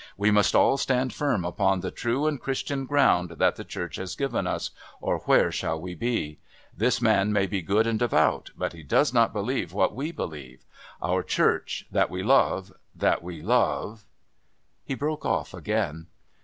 We must all stand firm upon the true and Christian ground that the Church has given us, or where shall we be? This man may be good and devout, but he does not believe what we believe. Our Church that we love that we love " He broke off again.